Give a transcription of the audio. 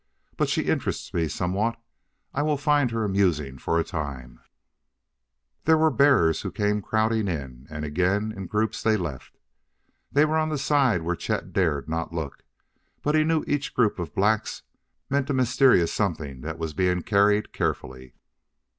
But she interests me somewhat; I will find her amusing for a time." There were bearers who came crowding in; and again in groups they left. They were on the side where Chet dared not look, but he knew each group of blacks meant a mysterious something that was being carried carefully.